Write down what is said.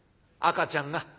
赤ちゃんが」。